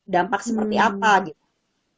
dampak seperti apa gitu